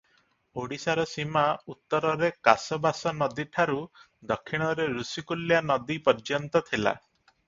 ଓଡିଶାର ସୀମା ଉତ୍ତରରେ କାଶବାଶନଦୀଠାରୁ ଦକ୍ଷିଣରେ ଋଷିକୁଲ୍ୟାନଦୀ ପର୍ଯ୍ୟନ୍ତ ଥିଲା ।